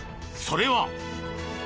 それは。